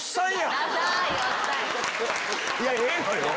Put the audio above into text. いやええのよ。